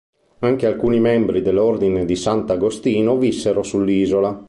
Anche alcuni membri dell'Ordine di Sant'Agostino vissero sull'isola.